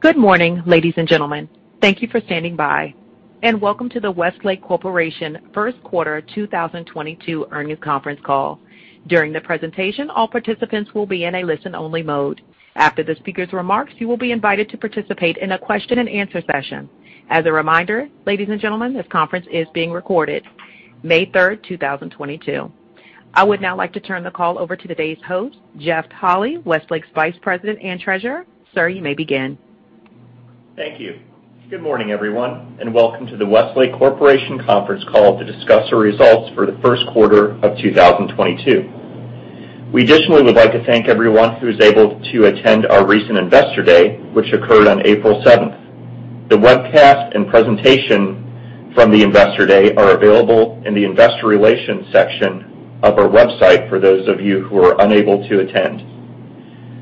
Good morning, ladies and gentlemen. Thank you for standing by, and welcome to the Westlake Corporation first quarter 2022 earnings conference call. During the presentation, all participants will be in a listen-only mode. After the speaker's remarks, you will be invited to participate in a question-and-answer session. As a reminder, ladies and gentlemen, this conference is being recorded. May third, 2022. I would now like to turn the call over to today's host, Jeff Holy, Westlake's Vice President and Treasurer. Sir, you may begin. Thank you. Good morning, everyone, and welcome to the Westlake Corporation conference call to discuss our results for the first quarter of 2022. We additionally would like to thank everyone who was able to attend our recent Investor Day, which occurred on April 7. The webcast and presentation from the Investor Day are available in the investor relations section of our website for those of you who were unable to attend.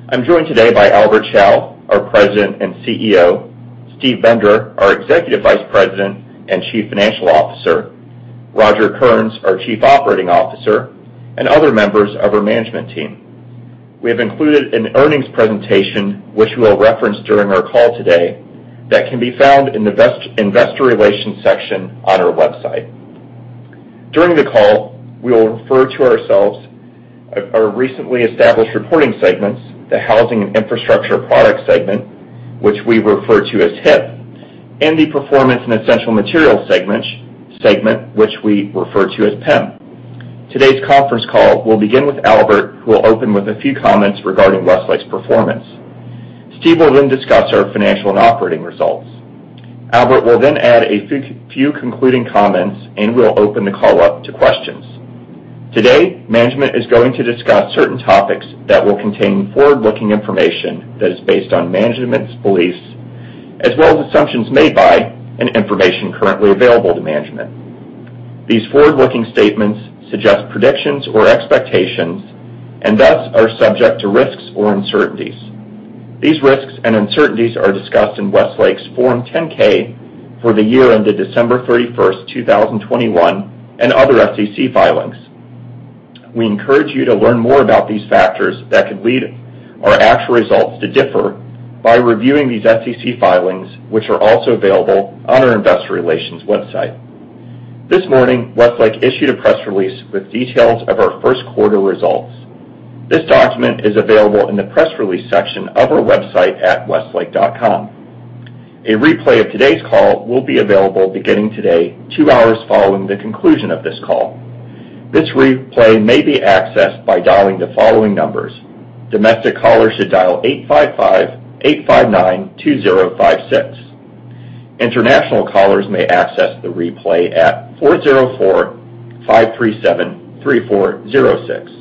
I'm joined today by Albert Chao, our President and CEO, Steve Bender, our Executive Vice President and Chief Financial Officer, Roger Kearns, our Chief Operating Officer, and other members of our management team. We have included an earnings presentation, which we will reference during our call today, that can be found in the investor relations section on our website. During the call, we will refer to ourselves, our recently established reporting segments, the Housing and Infrastructure Products segment, which we refer to as HIP, and the Performance and Essential Materials segment, which we refer to as PEM. Today's conference call will begin with Albert, who will open with a few comments regarding Westlake's performance. Steve will then discuss our financial and operating results. Albert will then add a few concluding comments, and we'll open the call up to questions. Today, management is going to discuss certain topics that will contain forward-looking information that is based on management's beliefs as well as assumptions made by and information currently available to management. These forward-looking statements suggest predictions or expectations and thus are subject to risks or uncertainties. These risks and uncertainties are discussed in Westlake's Form 10-K for the year ended December 31, 2021, and other SEC filings. We encourage you to learn more about these factors that could lead our actual results to differ by reviewing these SEC filings, which are also available on our investor relations website. This morning, Westlake issued a press release with details of our first quarter results. This document is available in the press release section of our website at westlake.com. A replay of today's call will be available beginning today, two hours following the conclusion of this call. This replay may be accessed by dialing the following numbers. Domestic callers should dial 855-859-2056. International callers may access the replay at 404-537-3406.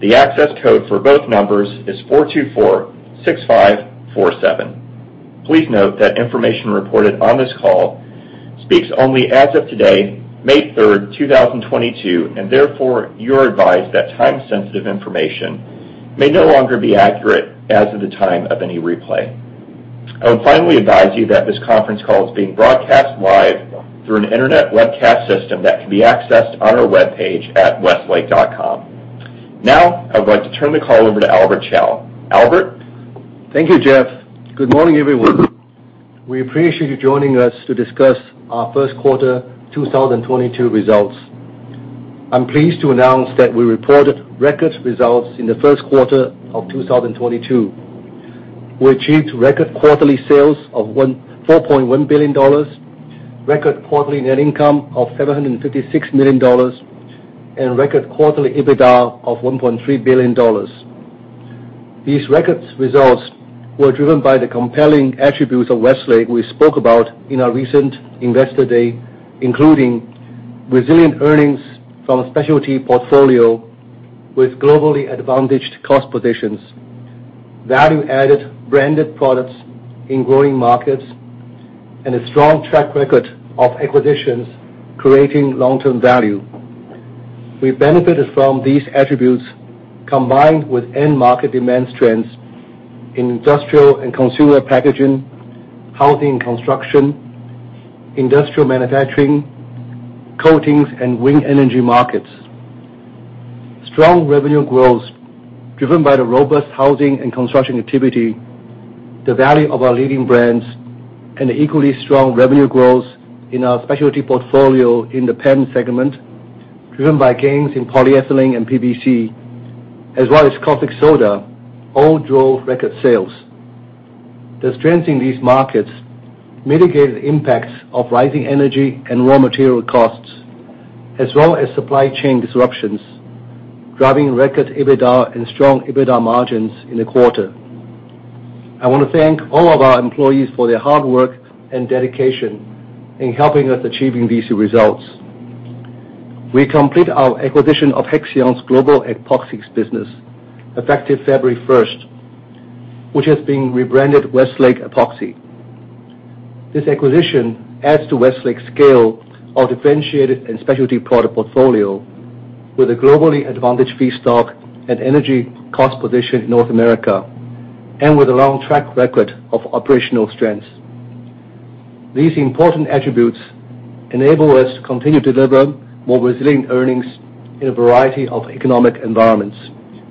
The access code for both numbers is 4246547. Please note that information reported on this call speaks only as of today, May 3, 2022, and therefore, you're advised that time-sensitive information may no longer be accurate as of the time of any replay. I would finally advise you that this conference call is being broadcast live through an internet webcast system that can be accessed on our webpage at westlake.com. Now, I would like to turn the call over to Albert Chao. Albert? Thank you, Jeff. Good morning, everyone. We appreciate you joining us to discuss our first quarter 2022 results. I'm pleased to announce that we reported record results in the first quarter of 2022. We achieved record quarterly sales of $4.1 billion, record quarterly net income of $756 million, and record quarterly EBITDA of $1.3 billion. These record results were driven by the compelling attributes of Westlake we spoke about in our recent Investor Day, including resilient earnings from a specialty portfolio with globally advantaged cost positions, value-added branded products in growing markets, and a strong track record of acquisitions creating long-term value. We benefited from these attributes combined with end market demand trends in industrial and consumer packaging, housing and construction, industrial manufacturing, coatings, and wind energy markets. Strong revenue growth driven by the robust housing and construction activity, the value of our leading brands, and the equally strong revenue growth in our specialty portfolio in the PEM segment, driven by gains in polyethylene and PVC, as well as caustic soda, all drove record sales. The strength in these markets mitigated the impacts of rising energy and raw material costs as well as supply chain disruptions, driving record EBITDA and strong EBITDA margins in the quarter. I wanna thank all of our employees for their hard work and dedication in helping us achieve these results. We completed our acquisition of Hexion's Global Epoxy business effective February first, which has been rebranded Westlake Epoxy. This acquisition adds to Westlake's scale of differentiated and specialty product portfolio with a globally advantaged feedstock and energy cost position in North America, and with a long track record of operational strength. These important attributes enable us to continue to deliver more resilient earnings in a variety of economic environments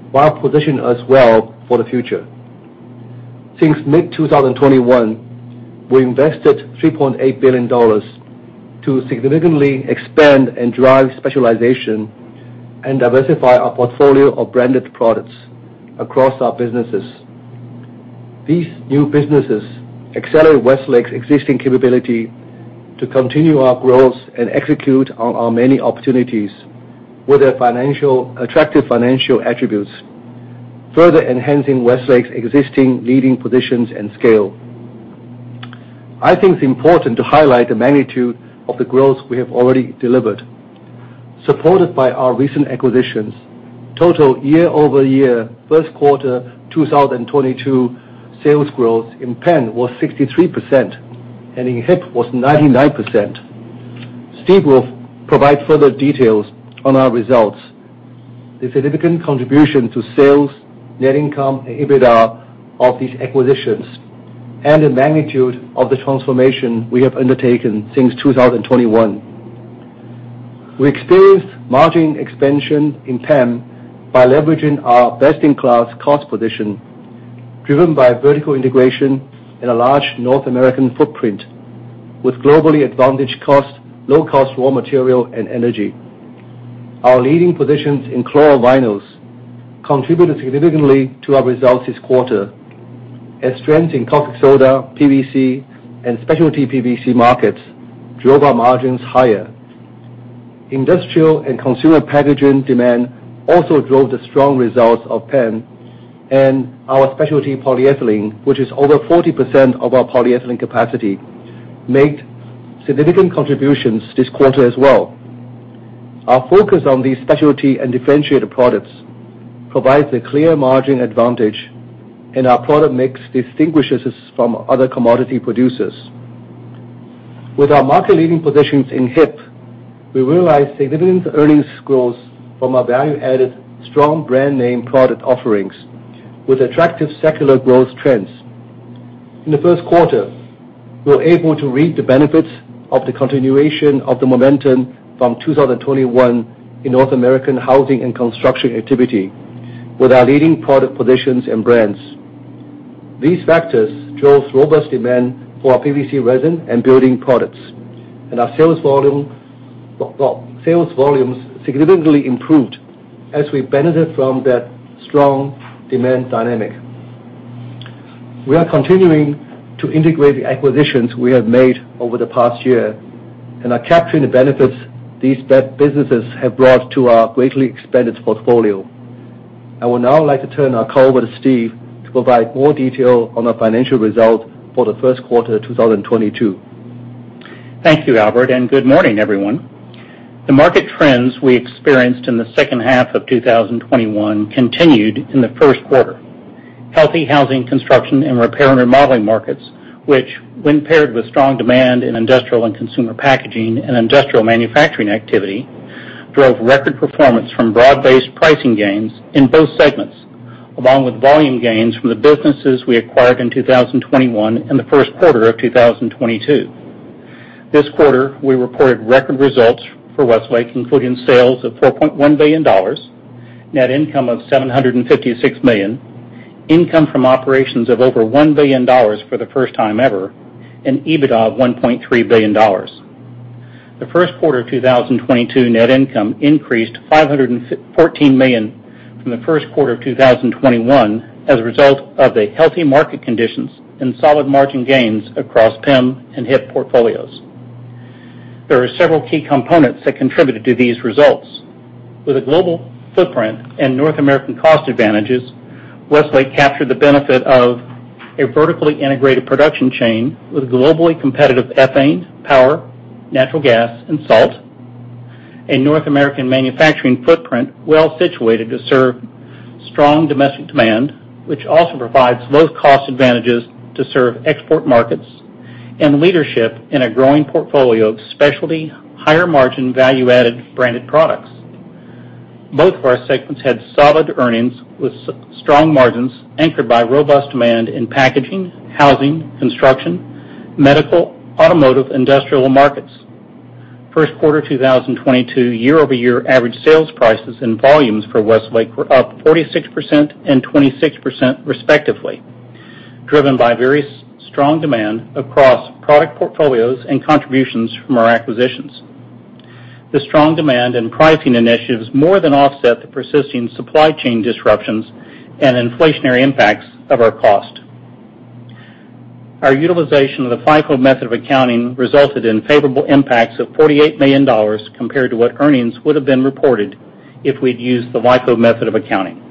while positioning us well for the future. Since mid-2021, we invested $3.8 billion to significantly expand and drive specialization and diversify our portfolio of branded products across our businesses. These new businesses accelerate Westlake's existing capability to continue our growth and execute on our many opportunities with their attractive financial attributes, further enhancing Westlake's existing leading positions and scale. I think it's important to highlight the magnitude of the growth we have already delivered. Supported by our recent acquisitions, total year-over-year first quarter 2022 sales growth in PEM was 63% and in HIP was 99%. Steve will provide further details on our results, the significant contribution to sales, net income, and EBITDA of these acquisitions, and the magnitude of the transformation we have undertaken since 2021. We experienced margin expansion in PEM by leveraging our best-in-class cost position, driven by vertical integration in a large North American footprint with globally advantaged cost, low cost raw material, and energy. Our leading positions in chlorovinyls contributed significantly to our results this quarter. Strength in caustic soda, PVC, and specialty PVC markets drove our margins higher. Industrial and consumer packaging demand also drove the strong results of PEM. Our specialty polyethylene, which is over 40% of our polyethylene capacity, made significant contributions this quarter as well. Our focus on these specialty and differentiated products provides a clear margin advantage, and our product mix distinguishes us from other commodity producers. With our market-leading positions in HIP, we realized significant earnings growth from our value-added, strong brand name product offerings with attractive secular growth trends. In the first quarter, we're able to reap the benefits of the continuation of the momentum from 2021 in North American housing and construction activity with our leading product positions and brands. These factors drove robust demand for our PVC resin and building products. Our sales volumes significantly improved as we benefit from that strong demand dynamic. We are continuing to integrate the acquisitions we have made over the past year and are capturing the benefits these businesses have brought to our greatly expanded portfolio. I would now like to turn our call over to Steve to provide more detail on our financial results for the first quarter of 2022. Thank you, Albert, and good morning, everyone. The market trends we experienced in the second half of 2021 continued in the first quarter. Healthy housing, construction, and repair and remodeling markets, which, when paired with strong demand in industrial and consumer packaging and industrial manufacturing activity, drove record performance from broad-based pricing gains in both segments, along with volume gains from the businesses we acquired in 2021 and the first quarter of 2022. This quarter, we reported record results for Westlake, including sales of $4.1 billion, net income of $756 million, income from operations of over $1 billion for the first time ever, and EBITDA of $1.3 billion. Q1 2022 net income increased $514 million from Q1 2021 as a result of the healthy market conditions and solid margin gains across PEM and HIP portfolios. There are several key components that contributed to these results. With a global footprint and North American cost advantages, Westlake captured the benefit of a vertically integrated production chain with globally competitive ethane, power, natural gas, and salt, a North American manufacturing footprint well situated to serve strong domestic demand, which also provides low cost advantages to serve export markets, and leadership in a growing portfolio of specialty, higher margin, value-added branded products. Both of our segments had solid earnings with strong margins anchored by robust demand in packaging, housing, construction, medical, automotive, industrial markets. First quarter 2022 year-over-year average sales prices and volumes for Westlake were up 46% and 26% respectively, driven by very strong demand across product portfolios and contributions from our acquisitions. The strong demand and pricing initiatives more than offset the persisting supply chain disruptions and inflationary impacts of our cost. Our utilization of the FIFO method of accounting resulted in favorable impacts of $48 million compared to what earnings would have been reported if we'd used the LIFO method of accounting.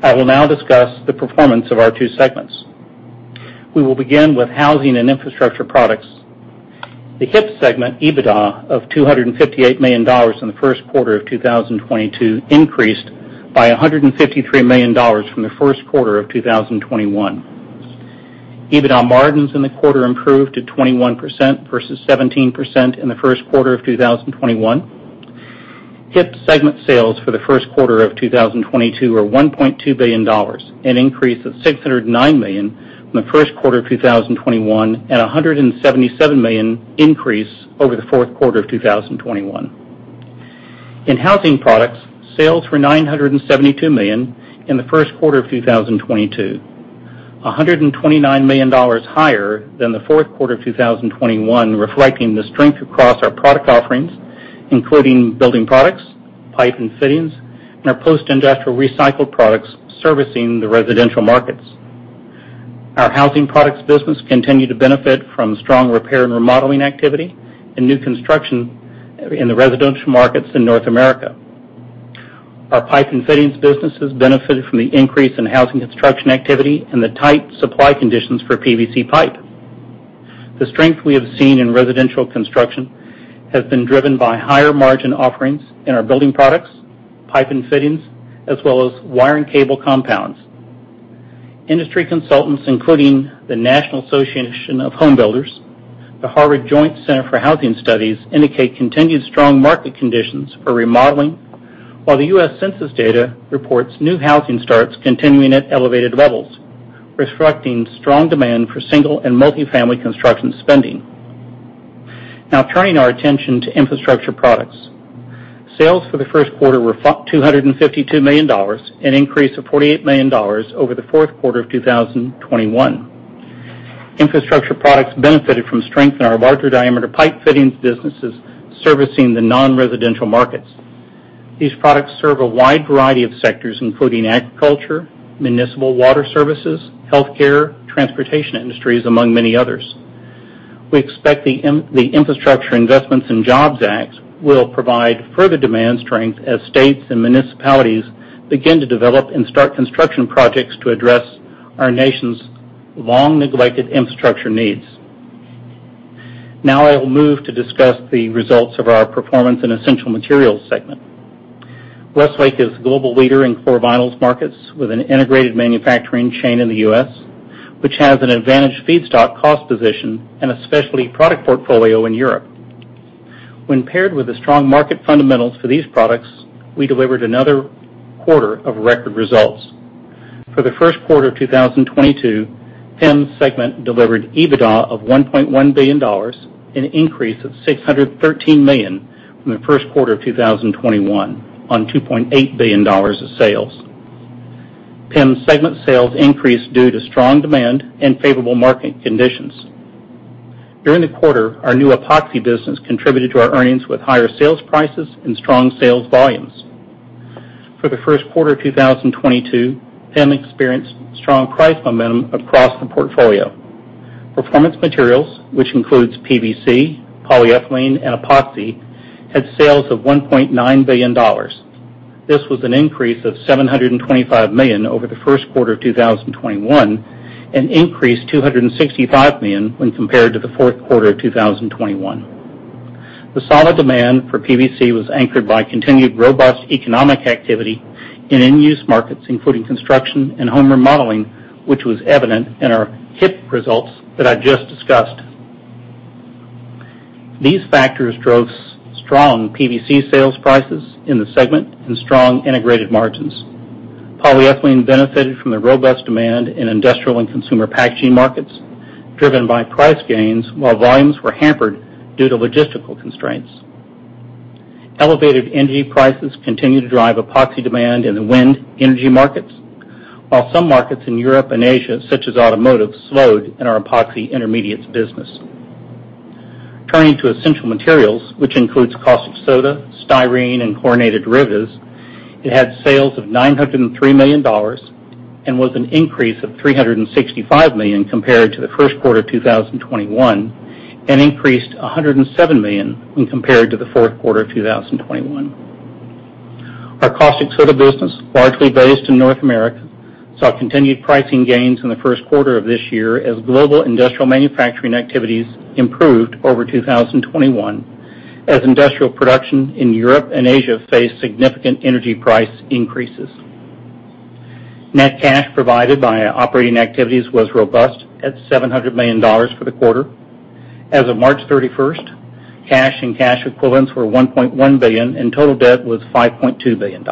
I will now discuss the performance of our two segments. We will begin with housing and infrastructure products. The HIP segment EBITDA of $258 million in the first quarter of 2022 increased by $153 million from the first quarter of 2021. EBITDA margins in the quarter improved to 21% versus 17% in the first quarter of 2021. HIP segment sales for the first quarter of 2022 are $1.2 billion, an increase of $609 million from the first quarter of 2021, and a $177 million increase over the fourth quarter of 2021. In Housing Products, sales were $972 million in the first quarter of 2022, a $129 million higher than the fourth quarter of 2021, reflecting the strength across our product offerings, including building products, pipe and fittings, and our post-industrial recycled products servicing the residential markets. Our Housing Products business continued to benefit from strong repair and remodeling activity and new construction in the residential markets in North America. Our pipe and fittings businesses benefited from the increase in housing construction activity and the tight supply conditions for PVC pipe. The strength we have seen in residential construction has been driven by higher margin offerings in our building products, pipe and fittings, as well as wire and cable compounds. Industry consultants, including the National Association of Home Builders, the Harvard Joint Center for Housing Studies, indicate continued strong market conditions for remodeling, while the U.S. Census data reports new housing starts continuing at elevated levels, reflecting strong demand for single and multifamily construction spending. Now turning our attention to Infrastructure Products. Sales for the first quarter were $252 million, an increase of $48 million over the fourth quarter of 2021. Infrastructure Products benefited from strength in our larger diameter pipe fittings businesses servicing the non-residential markets. These products serve a wide variety of sectors, including agriculture, municipal water services, healthcare, transportation industries, among many others. We expect the Infrastructure Investment and Jobs Act will provide further demand strength as states and municipalities begin to develop and start construction projects to address our nation's long-neglected infrastructure needs. Now I will move to discuss the results for our Performance and Essential Materials segment. Westlake is a global leader in chlorovinyls markets with an integrated manufacturing chain in the U.S., which has an advantaged feedstock cost position and a specialty product portfolio in Europe. When paired with the strong market fundamentals for these products, we delivered another quarter of record results. For the first quarter of 2022, PEM's segment delivered EBITDA of $1.1 billion, an increase of $613 million from the first quarter of 2021, on $2.8 billion of sales. PEM's segment sales increased due to strong demand and favorable market conditions. During the quarter, our new Epoxy business contributed to our earnings with higher sales prices and strong sales volumes. For the first quarter of 2022, PEM experienced strong price momentum across the portfolio. Performance Materials, which includes PVC, polyethylene, and Epoxy, had sales of $1.9 billion. This was an increase of $725 million over the first quarter of 2021, an increase $265 million when compared to the fourth quarter of 2021. The solid demand for PVC was anchored by continued robust economic activity in end-use markets, including construction and home remodeling, which was evident in our HIP results that I just discussed. These factors drove strong PVC sales prices in the segment and strong integrated margins. Polyethylene benefited from the robust demand in industrial and consumer packaging markets, driven by price gains, while volumes were hampered due to logistical constraints. Elevated energy prices continued to drive Epoxy demand in the wind energy markets, while some markets in Europe and Asia, such as automotive, slowed in our Epoxy intermediates business. Turning to Essential Materials, which includes caustic soda, styrene and chlorinated derivatives, it had sales of $903 million and was an increase of $365 million compared to the first quarter of 2021, and increased $107 million when compared to the fourth quarter of 2021. Our caustic soda business, largely based in North America, saw continued pricing gains in the first quarter of this year as global industrial manufacturing activities improved over 2021, as industrial production in Europe and Asia faced significant energy price increases. Net cash provided by operating activities was robust at $700 million for the quarter. As of March 31, cash and cash equivalents were $1.1 billion, and total debt was $5.2 billion.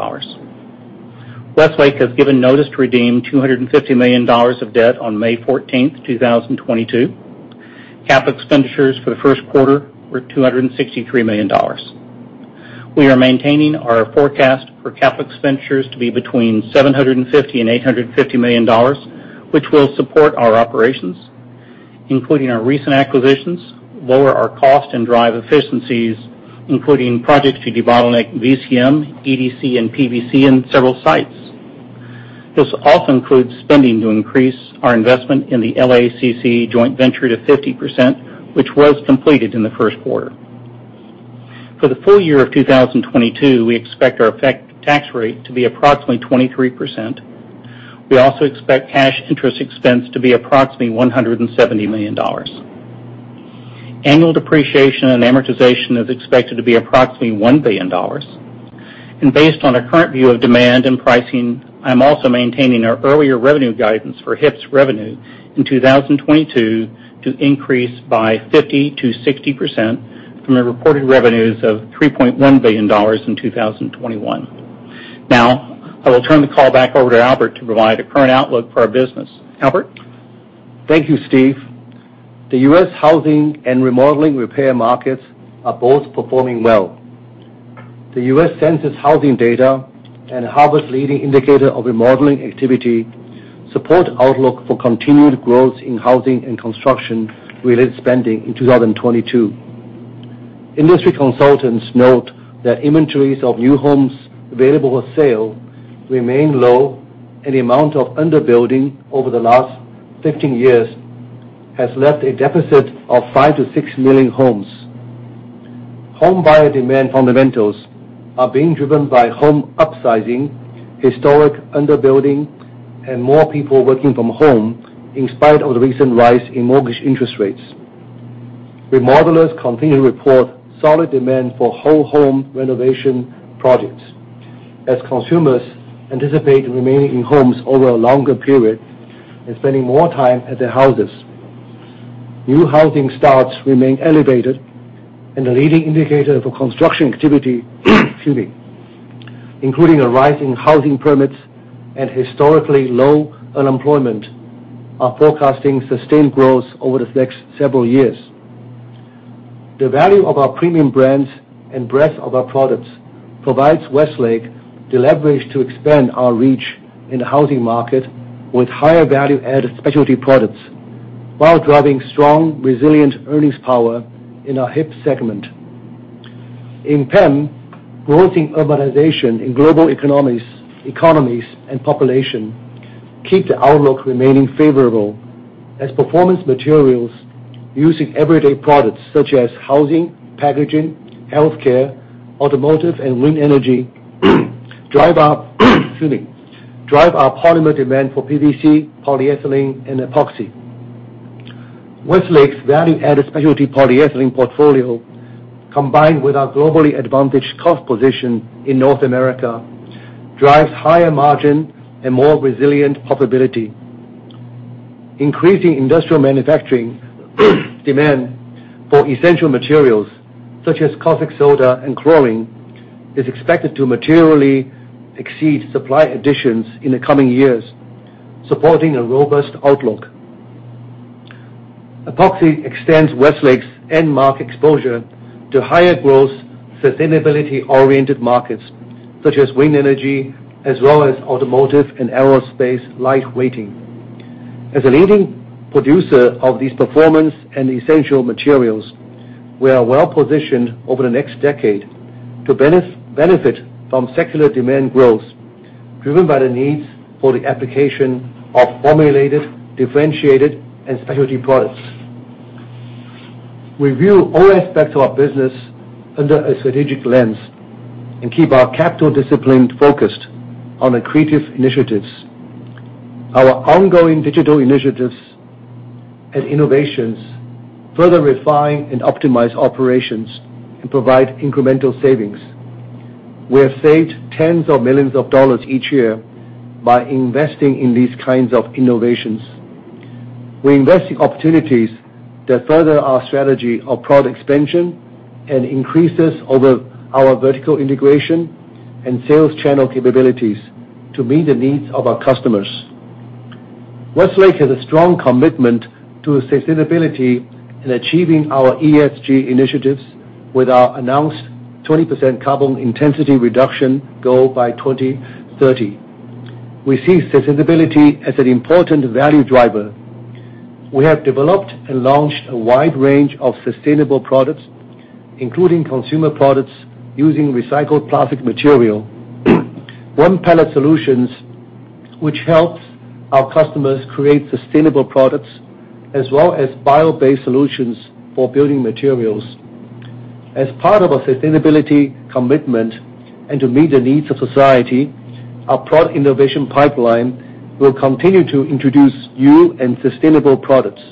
Westlake has given notice to redeem $250 million of debt on May 14, 2022. CapEx for the first quarter were $263 million. We are maintaining our forecast for CapEx to be between $750 million and $850 million, which will support our operations, including our recent acquisitions, lower our cost, and drive efficiencies, including projects to debottleneck VCM, EDC, and PVC in several sites. This also includes spending to increase our investment in the LACC joint venture to 50%, which was completed in the first quarter. For the full year of 2022, we expect our effective tax rate to be approximately 23%. We also expect cash interest expense to be approximately $170 million. Annual depreciation and amortization is expected to be approximately $1 billion. Based on our current view of demand and pricing, I'm also maintaining our earlier revenue guidance for HIP revenue in 2022 to increase by 50%-60% from the reported revenues of $3.1 billion in 2021. Now, I will turn the call back over to Albert to provide a current outlook for our business. Albert? Thank you, Steve. The U.S. housing and remodeling repair markets are both performing well. The U.S. Census housing data and Harvard's leading indicator of remodeling activity support outlook for continued growth in housing and construction-related spending in 2022. Industry consultants note that inventories of new homes available for sale remain low, and the amount of under-building over the last 15 years has left a deficit of 5-6 million homes. Homebuyer demand fundamentals are being driven by home upsizing, historic under-building, and more people working from home in spite of the recent rise in mortgage interest rates. Remodelers continue to report solid demand for whole home renovation projects as consumers anticipate remaining in homes over a longer period and spending more time at their houses. New housing starts remain elevated, and the leading indicator for construction activity, including a rise in housing permits and historically low unemployment, are forecasting sustained growth over the next several years. The value of our premium brands and breadth of our products provides Westlake the leverage to expand our reach in the housing market with higher value-added specialty products while driving strong, resilient earnings power in our HIP segment. In PEM, growth in urbanization in global economies and population keep the outlook remaining favorable as performance materials used in everyday products such as housing, packaging, healthcare, automotive, and wind energy, drive our polymer demand for PVC, polyethylene, and epoxy. Westlake's value-added specialty polyethylene portfolio, combined with our globally advantaged cost position in North America, drives higher margin and more resilient profitability. Increasing industrial manufacturing demand for essential materials such as caustic soda and chlorine is expected to materially exceed supply additions in the coming years, supporting a robust outlook. Epoxy extends Westlake's end market exposure to higher growth, sustainability-oriented markets such as wind energy as well as automotive and aerospace lightweighting. As a leading producer of these Performance and Essential Materials, we are well positioned over the next decade to benefit from secular demand growth driven by the needs for the application of formulated, differentiated, and specialty products. We view all aspects of our business under a strategic lens and keep our capital discipline focused on accretive initiatives. Our ongoing digital initiatives and innovations further refine and optimize operations and provide incremental savings. We have saved $10s of millions each year by investing in these kinds of innovations. We invest in opportunities that further our strategy of product expansion and increases over our vertical integration and sales channel capabilities to meet the needs of our customers. Westlake has a strong commitment to sustainability in achieving our ESG initiatives with our announced 20% carbon intensity reduction goal by 2030. We see sustainability as an important value driver. We have developed and launched a wide range of sustainable products, including consumer products using recycled plastic material, One-Pellet Solutions, which helps our customers create sustainable products, as well as bio-based solutions for building materials. As part of our sustainability commitment and to meet the needs of society, our product innovation pipeline will continue to introduce new and sustainable products.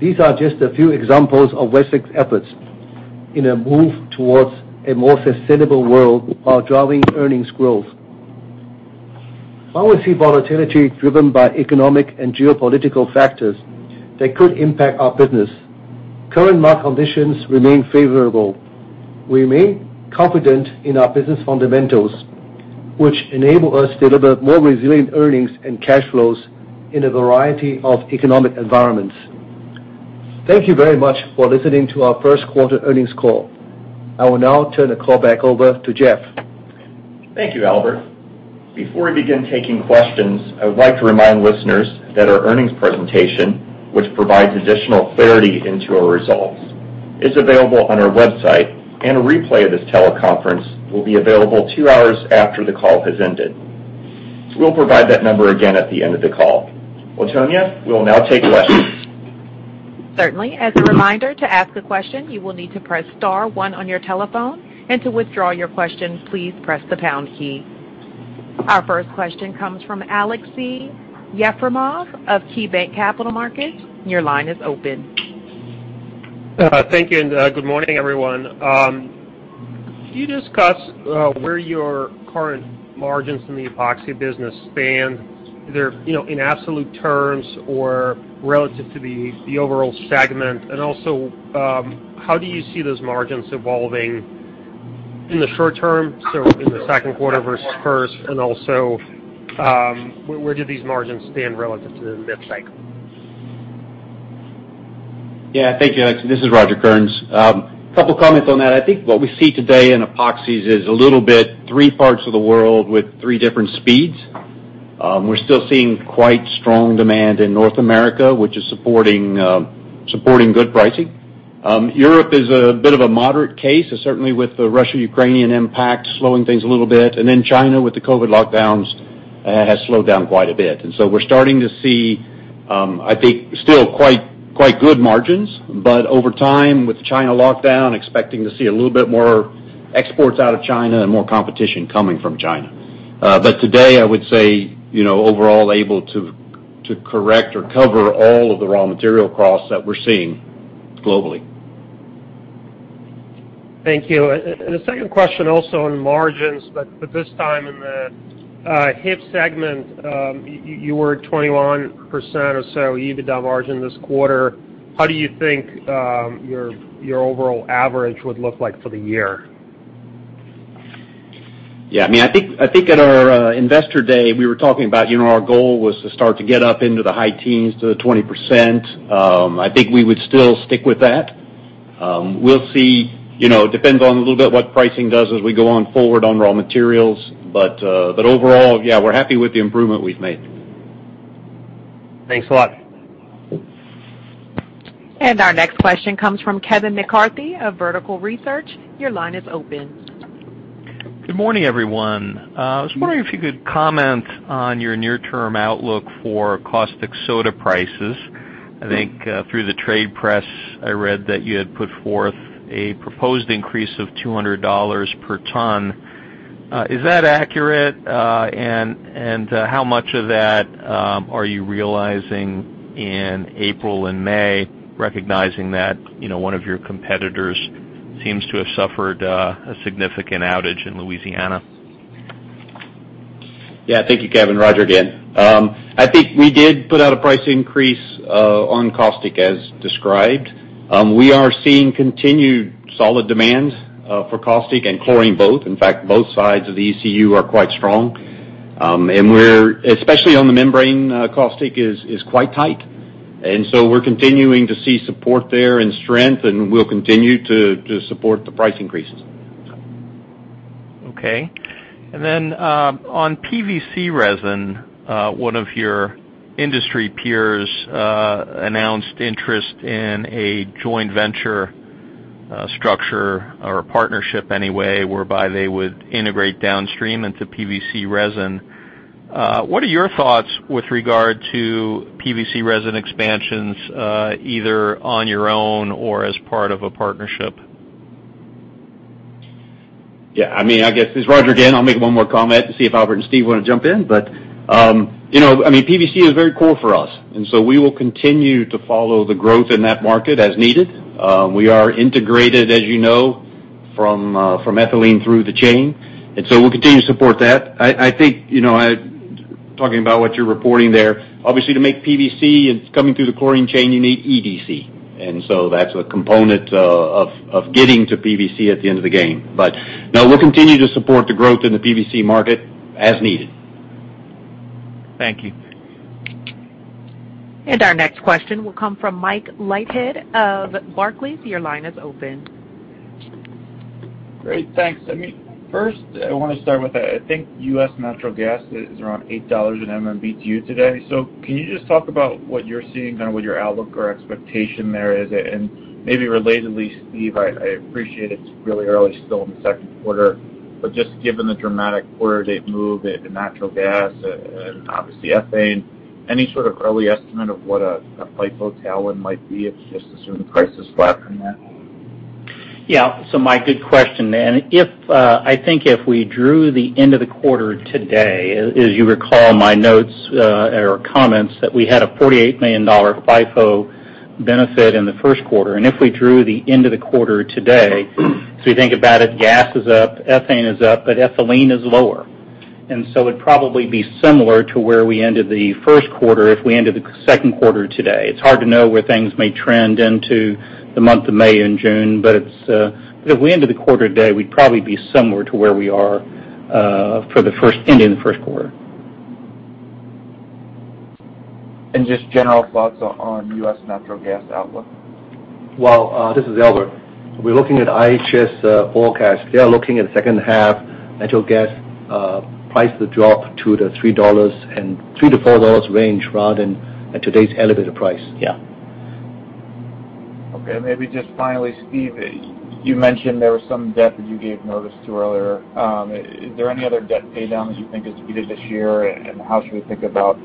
These are just a few examples of Westlake's efforts in a move towards a more sustainable world while driving earnings growth. While we see volatility driven by economic and geopolitical factors that could impact our business, current market conditions remain favorable. We remain confident in our business fundamentals, which enable us to deliver more resilient earnings and cash flows in a variety of economic environments. Thank you very much for listening to our first quarter earnings call. I will now turn the call back over to Jeff. Thank you, Albert. Before we begin taking questions, I would like to remind listeners that our earnings presentation, which provides additional clarity into our results, is available on our website, and a replay of this teleconference will be available two hours after the call has ended. We'll provide that number again at the end of the call. Operator, we will now take questions. Certainly. As a reminder, to ask a question, you will need to press star one on your telephone. To withdraw your question, please press the pound key. Our first question comes from Aleksey Yefremov of KeyBanc Capital Markets. Your line is open. Thank you, and good morning, everyone. Can you discuss where your current margins in the Epoxy business stand, either, you know, in absolute terms or relative to the overall segment? Also, how do you see those margins evolving in the short term, so in the second quarter versus first? Also, where do these margins stand relative to the mid cycle? Yeah. Thank you, Alex. This is Roger Kearns. A couple of comments on that. I think what we see today in epoxies is a little bit three parts of the world with three different speeds. We're still seeing quite strong demand in North America, which is supporting good pricing. Europe is a bit of a moderate case, certainly with the Russo-Ukrainian impact slowing things a little bit. China, with the COVID lockdowns, has slowed down quite a bit. We're starting to see, I think, still quite good margins. Over time, with China lockdown, expecting to see a little bit more exports out of China and more competition coming from China. Today, I would say, you know, overall able to correct or cover all of the raw material costs that we're seeing globally. Thank you. A second question also on margins, but this time in the HIP segment. You were at 21% or so EBITDA margin this quarter. How do you think your overall average would look like for the year? Yeah, I mean, I think at our Investor Day, we were talking about, you know, our goal was to start to get up into the high teens to the 20%. I think we would still stick with that. We'll see, you know, depends on a little bit what pricing does as we go forward on raw materials. Overall, yeah, we're happy with the improvement we've made. Thanks a lot. Our next question comes from Kevin McCarthy of Vertical Research. Your line is open. Good morning, everyone. I was wondering if you could comment on your near-term outlook for caustic soda prices. I think, through the trade press, I read that you had put forth a proposed increase of $200 per ton. Is that accurate? How much of that are you realizing in April and May, recognizing that, you know, one of your competitors seems to have suffered a significant outage in Louisiana? Yeah. Thank you, Kevin. Roger again. I think we did put out a price increase on caustic as described. We are seeing continued solid demand for caustic and chlorine both. In fact, both sides of the ECU are quite strong. We're especially on the membrane, caustic is quite tight. We're continuing to see support there and strength, and we'll continue to support the price increases. Okay. On PVC resin, one of your industry peers announced interest in a joint venture structure or a partnership anyway, whereby they would integrate downstream into PVC resin. What are your thoughts with regard to PVC resin expansions, either on your own or as part of a partnership? Yeah, I mean, I guess it's Roger again. I'll make one more comment to see if Albert and Steve wanna jump in. You know, I mean, PVC is very core for us, and so we will continue to follow the growth in that market as needed. We are integrated, as you know, from ethylene through the chain, and so we'll continue to support that. I think, you know, talking about what you're reporting there, obviously to make PVC, it's coming through the chlorine chain, you need EDC. And so that's a component of getting to PVC at the end of the day. No, we'll continue to support the growth in the PVC market as needed. Thank you. Our next question will come from Michael Leithead of Barclays. Your line is open. Great. Thanks. I mean, first, I wanna start with, I think U.S. natural gas is around $8/MMBtu today. Can you just talk about what you're seeing, kind of what your outlook or expectation there is? Maybe relatedly, Steve, I appreciate it's really early still in the second quarter. Just given the dramatic quarter-to-date move in natural gas and obviously ethane, any sort of early estimate of what a FIFO tailwind might be if just assuming prices flatten there? Yeah. Mike, good question. If I think if we drew the end of the quarter today, as you recall in my notes or comments that we had a $48 million FIFO benefit in the first quarter. If we drew the end of the quarter today, so you think about it, gas is up, ethane is up, but ethylene is lower. It'd probably be similar to where we ended the first quarter if we ended the second quarter today. It's hard to know where things may trend into the month of May and June, but if we ended the quarter today, we'd probably be similar to where we are for the end of the first quarter. Just general thoughts on U.S. natural gas outlook. Well, this is Albert. We're looking at IHS forecast. They are looking at second half natural gas price to drop to the $3-$4 range rather than at today's elevated price. Yeah. Okay. Maybe just finally, Steve, you mentioned there was some debt that you gave notice to earlier. Is there any other debt pay down that you think is needed this year? How should we think about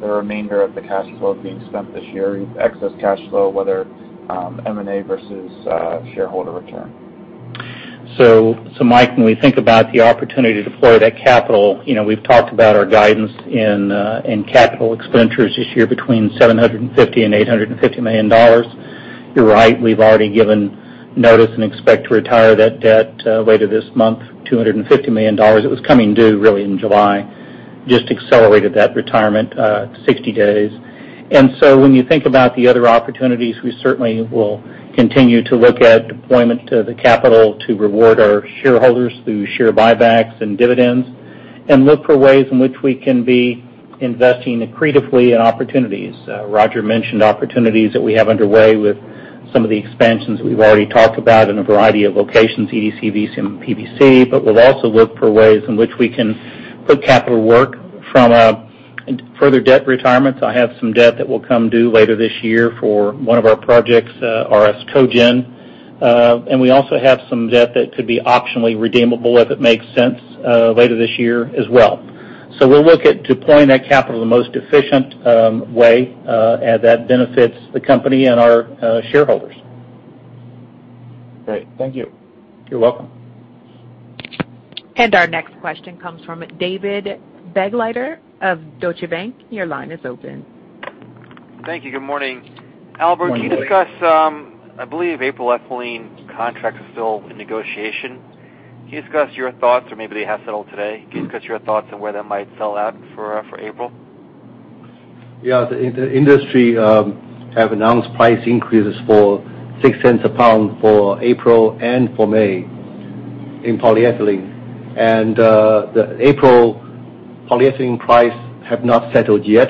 the remainder of the cash flow being spent this year, excess cash flow, whether M&A versus shareholder return? Mike, when we think about the opportunity to deploy that capital, you know, we've talked about our guidance in capital expenditures this year between $750 million and $850 million. You're right, we've already given notice and expect to retire that debt later this month, $250 million. It was coming due really in July, just accelerated that retirement 60 days. When you think about the other opportunities, we certainly will continue to look at deployment to the capital to reward our shareholders through share buybacks and dividends, and look for ways in which we can be investing accretively in opportunities. Roger mentioned opportunities that we have underway with some of the expansions we've already talked about in a variety of locations, EDC, VCM, and PVC. We'll also look for ways in which we can put capital to work from further debt retirements. I have some debt that will come due later this year for one of our projects, RS Cogen. And we also have some debt that could be optionally redeemable, if it makes sense, later this year as well. We'll look at deploying that capital the most efficient way as that benefits the company and our shareholders. Great. Thank you. You're welcome. Our next question comes from David Begleiter of Deutsche Bank. Your line is open. Thank you. Good morning. Good morning. Albert, can you discuss, I believe April ethylene contracts are still in negotiation. Can you discuss your thoughts, or maybe they have settled today? Can you discuss your thoughts on where that might sell out for April? Yeah. The industry have announced price increases for $0.06 a pound for April and for May in polyethylene. The April polyethylene price have not settled yet,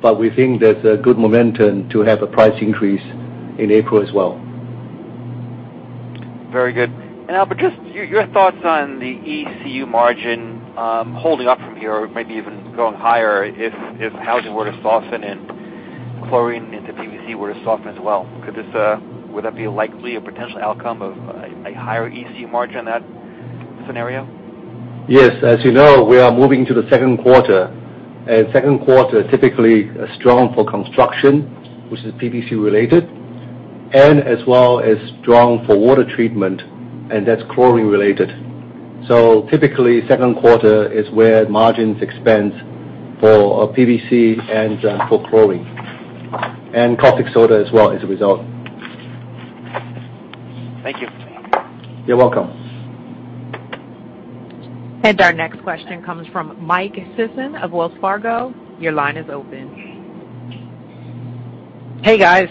but we think there's a good momentum to have a price increase in April as well. Very good. Albert, just your thoughts on the ECU margin holding up from here, or maybe even going higher if housing were to soften and chlorine into PVC were to soften as well. Would that be likely a potential outcome of a higher ECU margin in that scenario? Yes. As you know, we are moving to the second quarter, and second quarter typically are strong for construction, which is PVC related, and as well as strong for water treatment, and that's chlorine related. Typically, second quarter is where margins expand for PVC and for chlorine, and caustic soda as well as a result. Thank you. You're welcome. Our next question comes from Michael Sison of Wells Fargo. Your line is open. Hey, guys.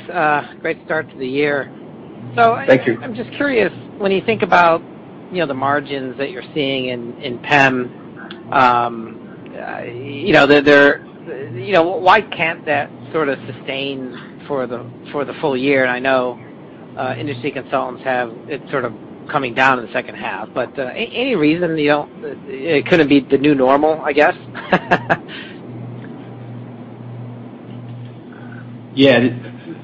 Great start to the year. Thank you. I'm just curious, when you think about, you know, the margins that you're seeing in PEM, you know, they're. You know, why can't that sort of sustain for the full year? I know industry consultants have it sort of coming down in the second half, but any reason, you know, it couldn't be the new normal, I guess? Yeah.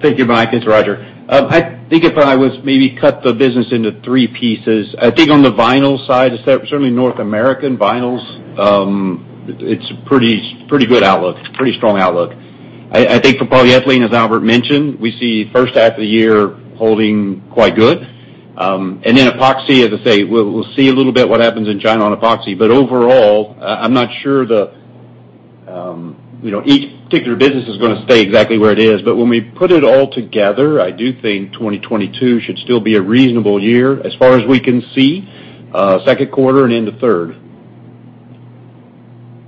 Thank you, Mike. It's Roger. I think if I was maybe cut the business into three pieces. I think on the vinyl side, certainly North American vinyls, it's a pretty good outlook, pretty strong outlook. I think for polyethylene, as Albert mentioned, we see first half of the year holding quite good. Then epoxy, as I say, we'll see a little bit what happens in China on epoxy. Overall, I'm not sure the, you know, each particular business is gonna stay exactly where it is. When we put it all together, I do think 2022 should still be a reasonable year as far as we can see, second quarter and into third.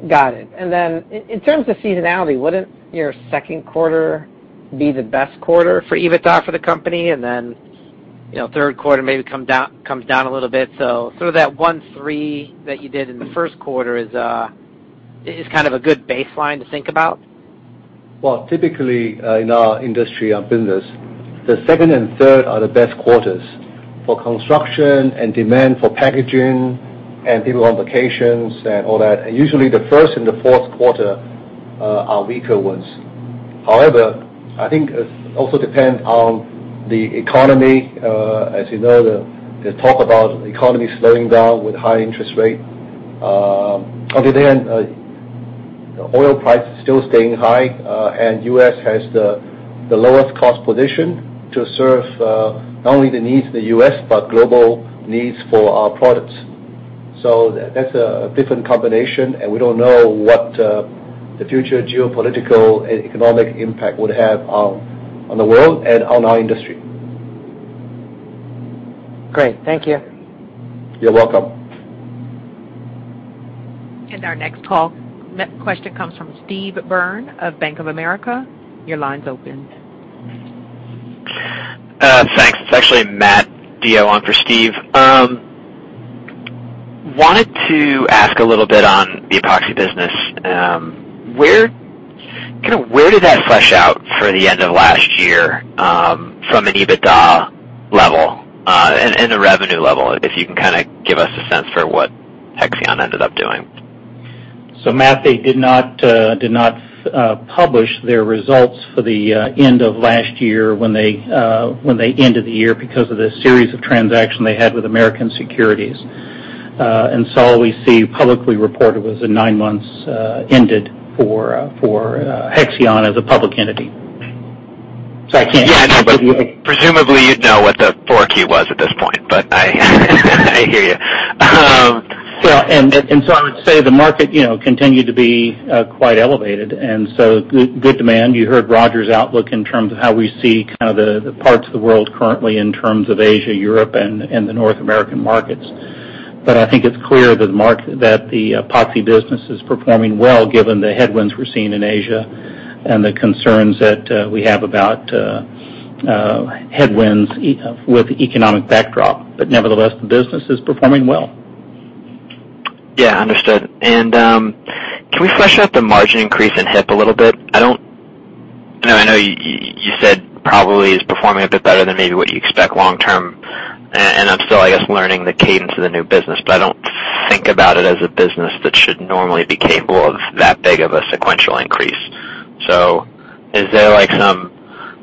Got it. Then in terms of seasonality, wouldn't your second quarter be the best quarter for EBITDA for the company? Then, you know, third quarter maybe comes down a little bit. Sort of that 103 that you did in the first quarter is kind of a good baseline to think about. Well, typically, in our industry, our business, the second and third are the best quarters for construction and demand for packaging and people on vacations and all that. Usually, the first and the fourth quarter are weaker ones. However, I think it also depend on the economy. As you know, the talk about the economy slowing down with high interest rate, until then, oil price is still staying high, and U.S. has the lowest cost position to serve, not only the needs of the U.S., but global needs for our products. That's a different combination, and we don't know what the future geopolitical and economic impact would have on the world and on our industry. Great. Thank you. You're welcome. Our next call, question comes from Steve Byrne of Bank of America. Your line's open. Thanks. It's actually Matthew DeYoe on for Steve Byrne. Wanted to ask a little bit on the epoxy business. Kind of where did that flesh out for the end of last year, from an EBITDA level, and the revenue level, if you can kind of give us a sense for what Hexion ended up doing. Matt, they did not publish their results for the end of last year when they ended the year because of the series of transactions they had with American Securities. All we see publicly reported was the nine months ended for Hexion as a public entity. I can't. Yeah, I know, but presumably you'd know what the 4Q was at this point, but I hear you. I would say the market, you know, continued to be quite elevated, and so good demand. You heard Roger's outlook in terms of how we see kind of the parts of the world currently in terms of Asia, Europe, and the North American markets. I think it's clear that the epoxy business is performing well given the headwinds we're seeing in Asia and the concerns that we have about headwinds with economic backdrop. Nevertheless, the business is performing well. Yeah, understood. Can we flesh out the margin increase in HIP a little bit? I don't, you know, I know you said probably is performing a bit better than maybe what you expect long term. And I'm still, I guess, learning the cadence of the new business, but I don't think about it as a business that should normally be capable of that big of a sequential increase. Is there, like, some,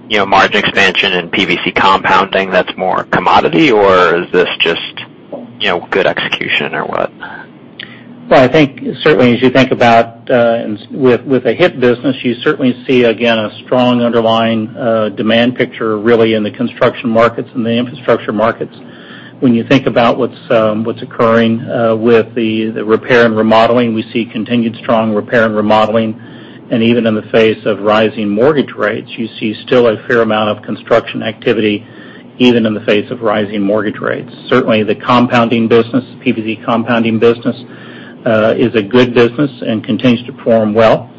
you know, margin expansion in PVC compounding that's more commodity, or is this just, you know, good execution or what? Well, I think certainly as you think about the HIP business, you certainly see again a strong underlying demand picture really in the construction markets and the infrastructure markets. When you think about what's occurring with the repair and remodeling, we see continued strong repair and remodeling. Even in the face of rising mortgage rates, you see still a fair amount of construction activity, even in the face of rising mortgage rates. Certainly, the compounding business, PVC compounding business, is a good business and continues to perform well.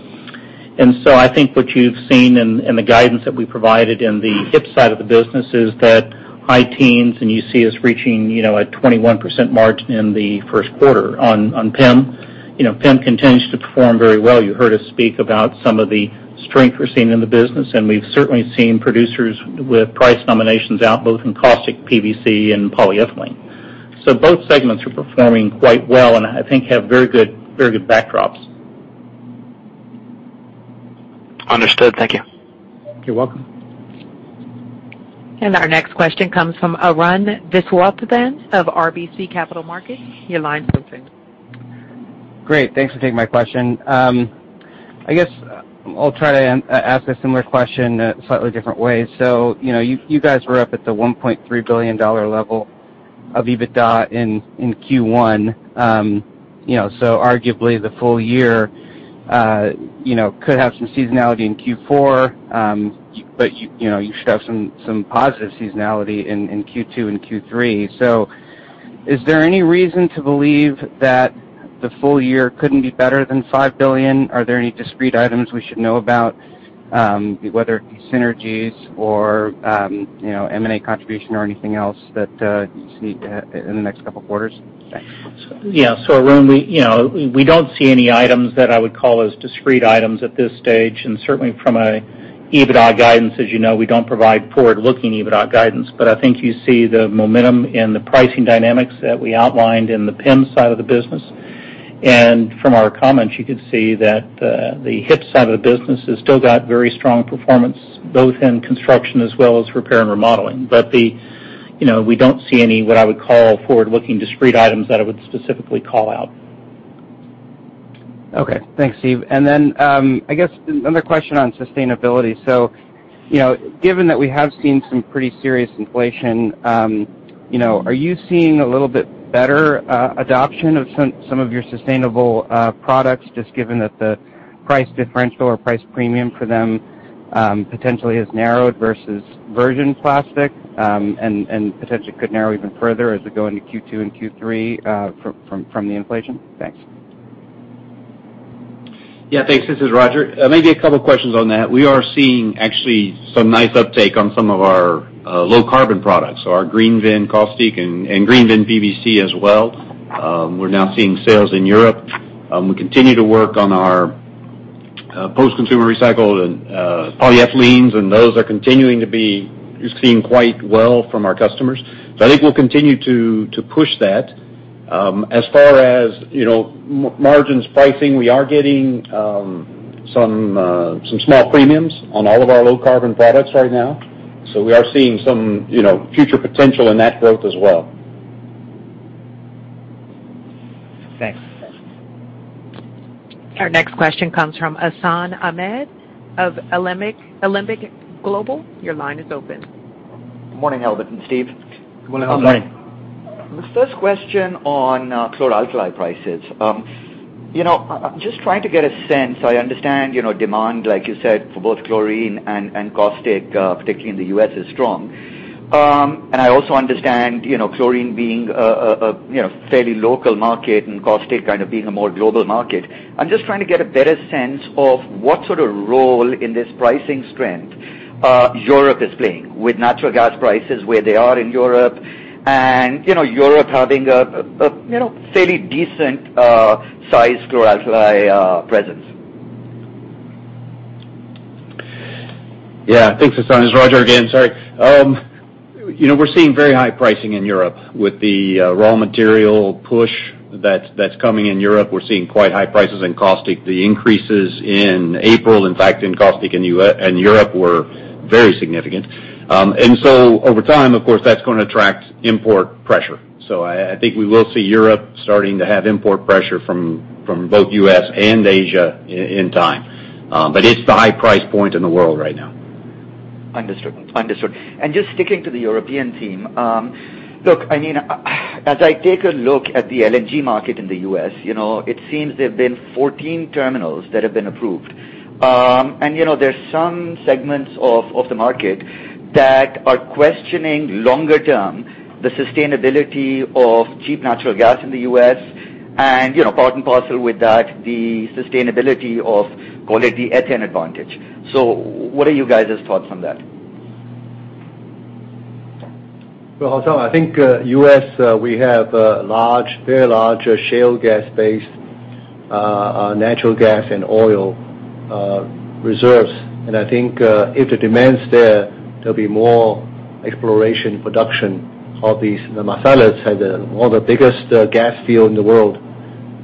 I think what you've seen in the guidance that we provided in the HIP side of the business is that high teens, and you see us reaching, you know, a 21% margin in the first quarter on PEM. You know, PEM continues to perform very well. You heard us speak about some of the strength we're seeing in the business, and we've certainly seen producers with price nominations out both in caustic PVC and polyethylene. Both segments are performing quite well, and I think have very good, very good backdrops. Understood. Thank you. You're welcome. Our next question comes from Arun Viswanathan of RBC Capital Markets. Your line's open. Great. Thanks for taking my question. I guess I'll try to ask a similar question a slightly different way. You know, you guys were up at the $1.3 billion level of EBITDA in Q1. You know, arguably the full year could have some seasonality in Q4. You know, you should have some positive seasonality in Q2 and Q3. Is there any reason to believe that the full year couldn't be better than $5 billion? Are there any discrete items we should know about, whether it be synergies or, you know, M&A contribution or anything else that you see in the next couple quarters? Yeah. Arun, you know, we don't see any items that I would call as discrete items at this stage. Certainly from a EBITDA guidance, as you know, we don't provide forward-looking EBITDA guidance. I think you see the momentum in the pricing dynamics that we outlined in the PEM side of the business. From our comments, you could see that the HIP side of the business has still got very strong performance, both in construction as well as repair and remodeling. You know, we don't see any, what I would call, forward-looking discrete items that I would specifically call out. Okay. Thanks, Steve. I guess another question on sustainability. You know, given that we have seen some pretty serious inflation, you know, are you seeing a little bit better adoption of some of your sustainable products, just given that the price differential or price premium for them potentially has narrowed versus virgin plastic, and potentially could narrow even further as we go into Q2 and Q3 from the inflation? Thanks. Yeah, thanks. This is Roger. Maybe a couple questions on that. We are seeing actually some nice uptake on some of our low carbon products, so our GreenVin Caustic and GreenVin PVC as well. We're now seeing sales in Europe. We continue to work on our post-consumer recycled and polyethylenes, and those are continuing to be seen quite well from our customers. So I think we'll continue to push that. As far as, you know, margins pricing, we are getting some small premiums on all of our low carbon products right now, so we are seeing some, you know, future potential in that growth as well. Thanks. Our next question comes from Hassan Ahmed of Alembic Global. Your line is open. Good morning, Albert and Steve. Good morning, Hassan. Good morning. The first question on chlor-alkali prices. You know, I'm just trying to get a sense. I understand, you know, demand, like you said, for both chlorine and caustic, particularly in the U.S., is strong. I also understand, you know, chlorine being a you know, fairly local market and caustic kind of being a more global market. I'm just trying to get a better sense of what sort of role in this pricing strength Europe is playing with natural gas prices where they are in Europe and, you know, Europe having a fairly decent size chlor-alkali presence. Yeah. Thanks, Hassan. It's Roger again. Sorry. You know, we're seeing very high pricing in Europe with the raw material push that's coming in Europe. We're seeing quite high prices in caustic. The increases in April, in fact, in caustic in Europe were very significant. Over time, of course, that's gonna attract import pressure. I think we will see Europe starting to have import pressure from both U.S. and Asia in time. It's the high price point in the world right now. Understood. Just sticking to the European theme, look, I mean, as I take a look at the LNG market in the U.S., you know, it seems there have been 14 terminals that have been approved. You know, there's some segments of the market that are questioning longer term, the sustainability of cheap natural gas in the U.S. and, you know, part and parcel with that, the sustainability of quantity ethane advantage. What are you guys' thoughts on that? I think U.S. we have a large, very large shale gas-based natural gas and oil reserves. I think if the demand's there'll be more exploration production of these. The Marcellus had one of the biggest gas field in the world,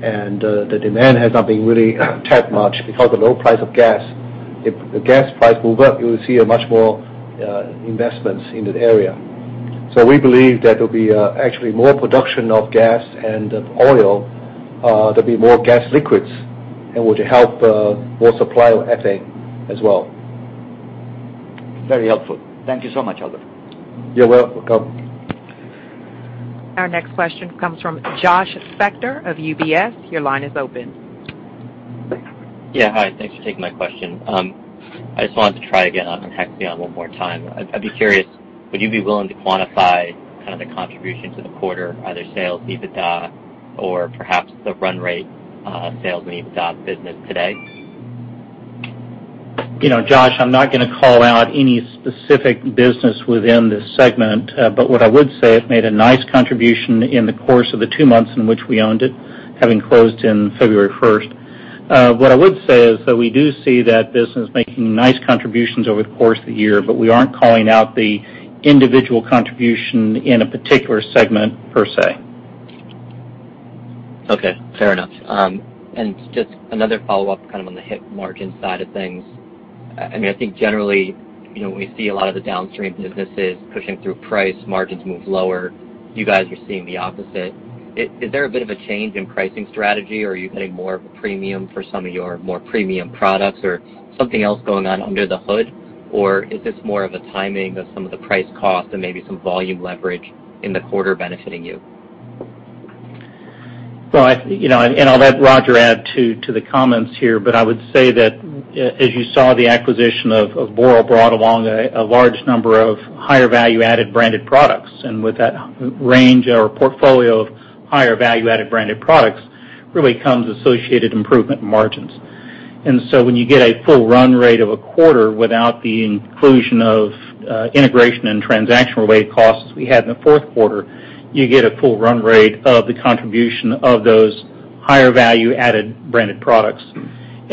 and the demand has not been really tapped much because of low price of gas. If the gas price move up, you'll see a much more investments in that area. We believe there will be actually more production of gas and oil to be more gas liquids, and which help more supply of ethane as well. Very helpful. Thank you so much, Albert. You're welcome. Our next question comes from Joshua Spector of UBS. Your line is open. Yeah. Hi. Thanks for taking my question. I just wanted to try again on Hexion one more time. I'd be curious, would you be willing to quantify kind of the contribution to the quarter, either sales, EBITDA, or perhaps the run rate, of sales and EBITDA business today? You know, Josh, I'm not gonna call out any specific business within this segment. What I would say, it made a nice contribution in the course of the two months in which we owned it, having closed in February first. What I would say is that we do see that business making nice contributions over the course of the year, but we aren't calling out the individual contribution in a particular segment per se. Okay. Fair enough. Just another follow-up kind of on the HIP margin side of things. I mean, I think generally, you know, when we see a lot of the downstream businesses pushing through price, margins move lower. You guys are seeing the opposite. Is there a bit of a change in pricing strategy, or are you getting more of a premium for some of your more premium products, or something else going on under the hood? Or is this more of a timing of some of the price cost and maybe some volume leverage in the quarter benefiting you? Well, you know, and I'll let Roger add to the comments here, but I would say that as you saw the acquisition of Boral brought along a large number of higher value-added branded products. With that range or portfolio of higher value-added branded products really comes associated improvement in margins. When you get a full run rate of a quarter without the inclusion of integration and transactional-related costs we had in the fourth quarter, you get a full run rate of the contribution of those higher value-added branded products.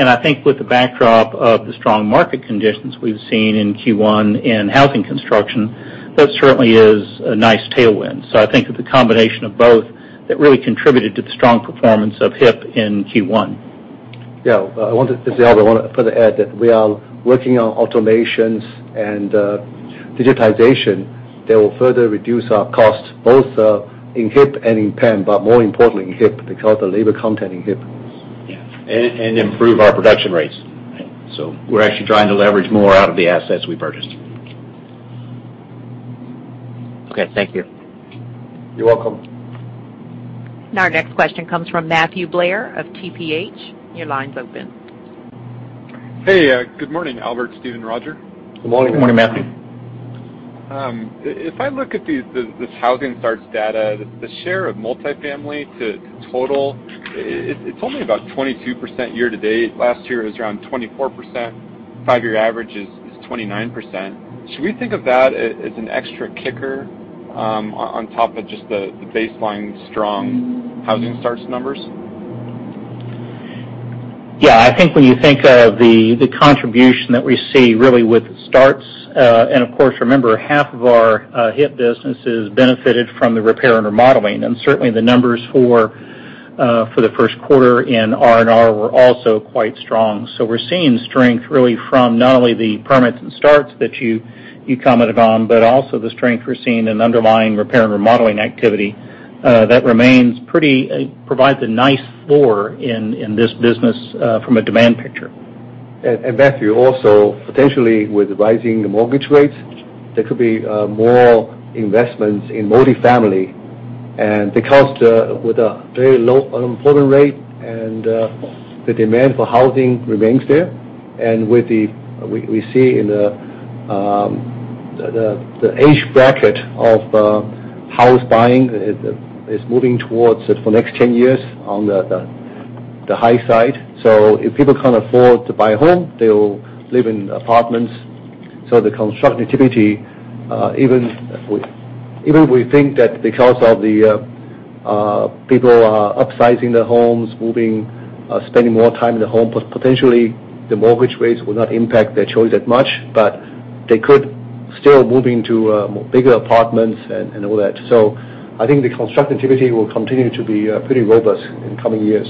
I think with the backdrop of the strong market conditions we've seen in Q1 in housing construction, that certainly is a nice tailwind. I think it's a combination of both that really contributed to the strong performance of HIP in Q1. Yeah. I wanted to say, I want to further add that we are working on automations and, digitization that will further reduce our cost, both, in HIP and in PEM, but more importantly in HIP because the labor content in HIP. Yeah. Improve our production rates. Right. We're actually trying to leverage more out of the assets we purchased. Okay. Thank you. You're welcome. Our next question comes from Matthew Blair of TPH&Co. Your line's open. Hey. Good morning, Albert, Steven, Roger. Good morning. Good morning. Good morning. If I look at this housing starts data, the share of multifamily to total, it's only about 22% year to date. Last year it was around 24%. Five-year average is 29%. Should we think of that as an extra kicker, on top of just the baseline strong housing starts numbers? Yeah. I think when you think of the contribution that we see really with the starts, and of course, remember, half of our HIP business is benefited from the repair and remodeling, and certainly the numbers for the first quarter in R&R were also quite strong. We're seeing strength really from not only the permits and starts that you commented on, but also the strength we're seeing in underlying repair and remodeling activity, that remains pretty. It provides a nice floor in this business, from a demand picture. Matthew, also, potentially with rising mortgage rates, there could be more investments in multifamily. Because with a very low unemployment rate and the demand for housing remains there, and we see in the age bracket of house buying is moving towards for next 10 years on the high side. If people can't afford to buy a home, they will live in apartments. The construction activity even if we think that because of the people are upsizing their homes, moving, spending more time in the home, potentially the mortgage rates will not impact their choice that much, but they could still move into bigger apartments and all that. I think the construction activity will continue to be pretty robust in coming years.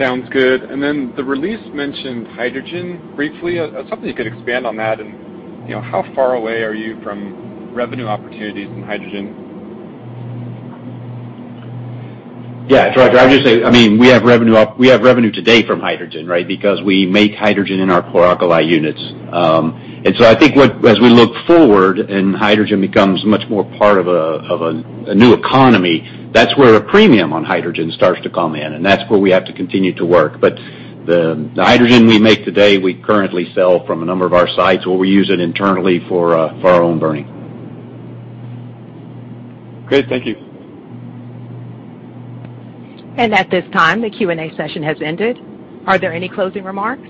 Sounds good. Then the release mentioned hydrogen briefly. I was hoping you could expand on that and, you know, how far away are you from revenue opportunities in hydrogen? Yeah. Roger, I would just say, I mean, we have revenue today from hydrogen, right? Because we make hydrogen in our chlor-alkali units. I think as we look forward and hydrogen becomes much more part of a new economy, that's where a premium on hydrogen starts to come in, and that's where we have to continue to work. The hydrogen we make today, we currently sell from a number of our sites where we use it internally for our own burning. Great. Thank you. At this time, the Q&A session has ended. Are there any closing remarks?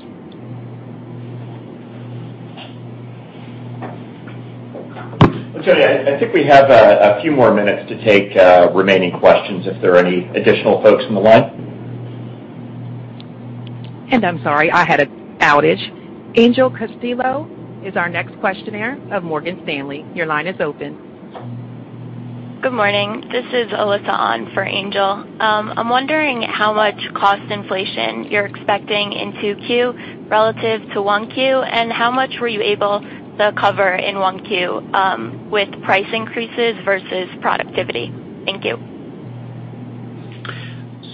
I'll tell you, I think we have a few more minutes to take remaining questions if there are any additional folks on the line. I'm sorry, I had an outage. Angel Castillo is our next questioner from Morgan Stanley. Your line is open. Good morning. This is Alyssa on for Angel. I'm wondering how much cost inflation you're expecting in 2Q relative to 1Q, and how much were you able to cover in 1Q, with price increases versus productivity? Thank you.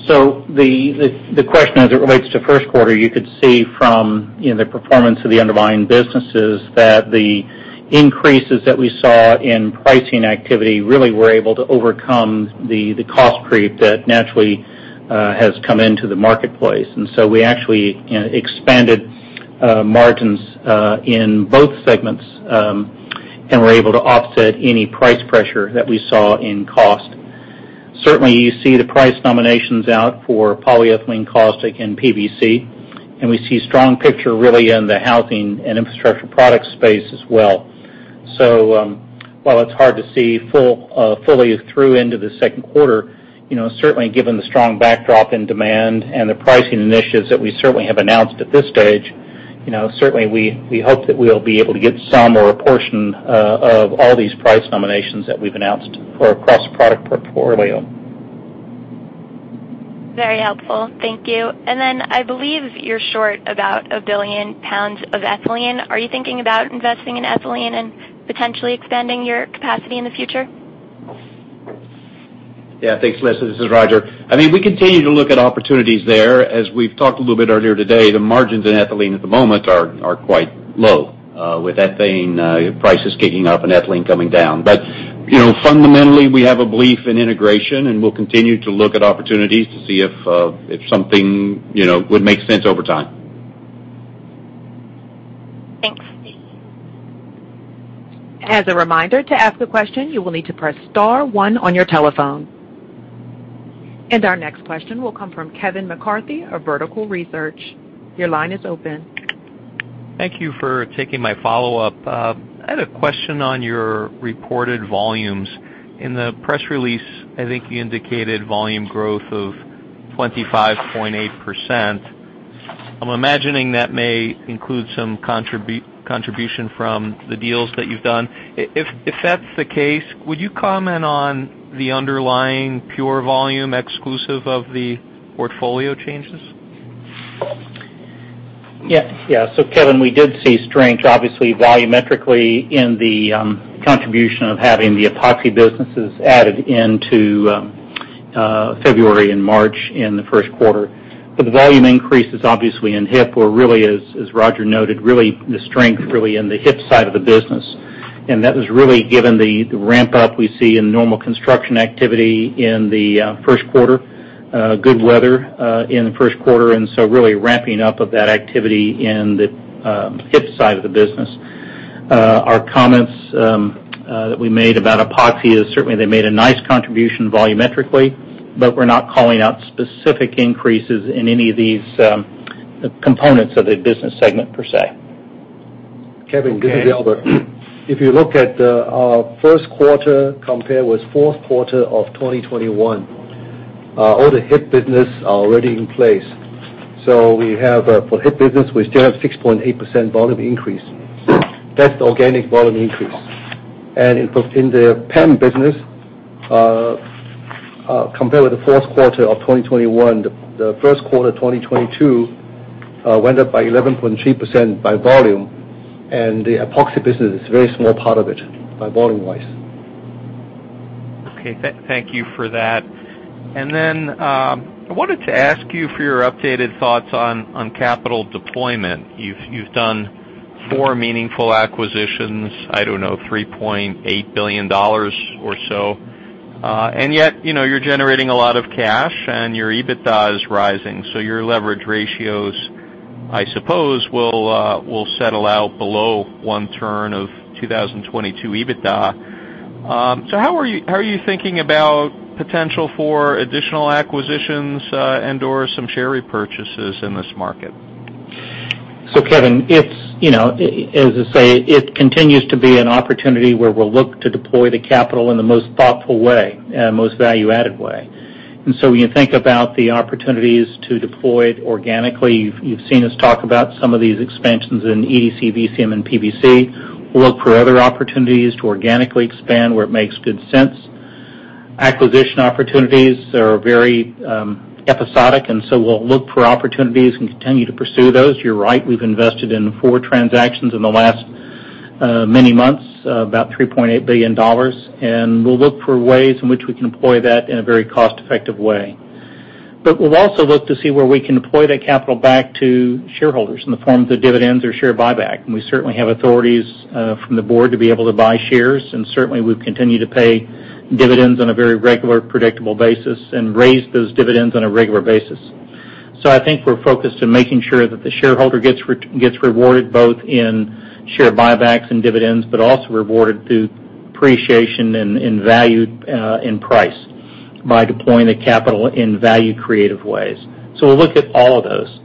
The question as it relates to first quarter, you could see from the performance of the underlying businesses that the increases that we saw in pricing activity really were able to overcome the cost creep that naturally has come into the marketplace. We actually expanded margins in both segments and were able to offset any price pressure that we saw in cost. Certainly, you see the price nominations out for polyethylene, caustic, and PVC, and we see strong picture really in the Housing and Infrastructure Products space as well. While it's hard to see fully through into the second quarter, you know, certainly given the strong backdrop in demand and the pricing initiatives that we certainly have announced at this stage, you know, certainly we hope that we'll be able to get some or a portion of all these price nominations that we've announced for across product portfolio. Very helpful. Thank you. I believe you're short about 1 billion pounds of ethylene. Are you thinking about investing in ethylene and potentially expanding your capacity in the future? Yeah. Thanks, Alyssa. This is Roger. I mean, we continue to look at opportunities there. As we've talked a little bit earlier today, the margins in ethylene at the moment are quite low with ethane prices kicking up and ethylene coming down. You know, fundamentally, we have a belief in integration, and we'll continue to look at opportunities to see if something would make sense over time. Thanks. As a reminder, to ask a question, you will need to press star one on your telephone. Our next question will come from Kevin McCarthy of Vertical Research Partners. Your line is open. Thank you for taking my follow-up. I had a question on your reported volumes. In the press release, I think you indicated volume growth of 25.8%. I'm imagining that may include some contribution from the deals that you've done. If that's the case, would you comment on the underlying pure volume exclusive of the portfolio changes? Kevin, we did see strength, obviously, volumetrically in the contribution of having the epoxy businesses added into February and March in the first quarter. The volume increase is obviously in HIP or really as Roger noted, really the strength in the HIP side of the business. That was really given the ramp up we see in normal construction activity in the first quarter, good weather in the first quarter, and so really ramping up of that activity in the HIP side of the business. Our comments that we made about Epoxy is certainly they made a nice contribution volumetrically, but we're not calling out specific increases in any of these components of the business segment per se. Kevin, this is Albert. If you look at our first quarter compared with fourth quarter of 2021, all the HIP business are already in place. We have for HIP business, we still have 6.8% volume increase. That's the organic volume increase. In the PEM business, compared with the fourth quarter of 2021, the first quarter of 2022 went up by 11.3% by volume, and the Epoxy business is a very small part of it by volume wise. Okay. Thank you for that. I wanted to ask you for your updated thoughts on capital deployment. You've done four meaningful acquisitions, I don't know, $3.8 billion or so. Yet, you know, you're generating a lot of cash and your EBITDA is rising. Your leverage ratios, I suppose, will settle out below one turn of 2022 EBITDA. How are you thinking about potential for additional acquisitions and/or some share repurchases in this market? Kevin, it's, you know, as I say, it continues to be an opportunity where we'll look to deploy the capital in the most thoughtful way and most value-added way. When you think about the opportunities to deploy it organically, you've seen us talk about some of these expansions in EDC, VCM, and PVC. We'll look for other opportunities to organically expand where it makes good sense. Acquisition opportunities are very episodic, and so we'll look for opportunities and continue to pursue those. You're right, we've invested in four transactions in the last many months, about $3.8 billion. We'll look for ways in which we can employ that in a very cost-effective way. We'll also look to see where we can deploy that capital back to shareholders in the form of the dividends or share buyback. We certainly have authorities from the board to be able to buy shares, and certainly we've continued to pay dividends on a very regular, predictable basis, and raise those dividends on a regular basis. I think we're focused on making sure that the shareholder gets rewarded both in share buybacks and dividends, but also rewarded through appreciation and value in price by deploying the capital in value-creative ways. We'll look at all of those.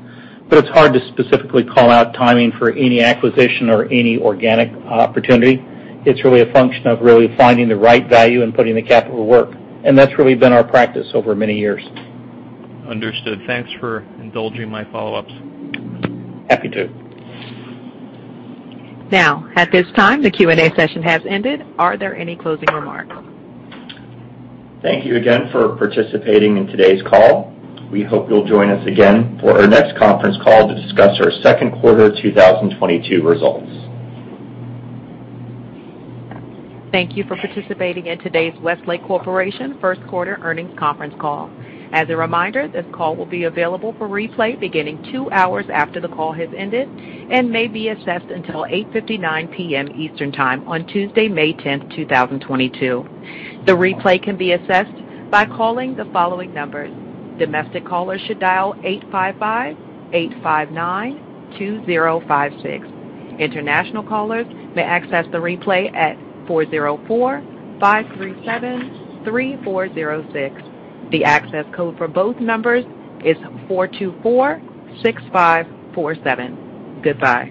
It's hard to specifically call out timing for any acquisition or any organic opportunity. It's really a function of really finding the right value and putting the capital to work, and that's really been our practice over many years. Understood. Thanks for indulging my follow-ups. Happy to. Now, at this time, the Q&A session has ended. Are there any closing remarks? Thank you again for participating in today's call. We hope you'll join us again for our next conference call to discuss our second quarter 2022 results. Thank you for participating in today's Westlake Corporation first quarter earnings conference call. As a reminder, this call will be available for replay beginning two hours after the call has ended and may be accessed until 8:59 P.M. Eastern time on Tuesday, May 10, 2022. The replay can be accessed by calling the following numbers. Domestic callers should dial 855-859-2056. International callers may access the replay at 404-537-3406. The access code for both numbers is 424-6547. Goodbye.